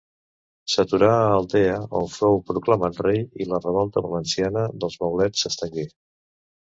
S'aturà a Altea, on fou proclamat rei i la revolta valenciana dels maulets s'estengué.